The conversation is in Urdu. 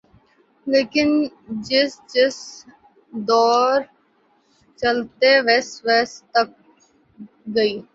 لیکن جیس جیس دوڑ گ ، چلتے گ ویس ویس ت دھ گئی